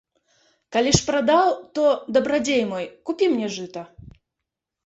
Калі ж прадаў, то, дабрадзей мой, купі мне жыта.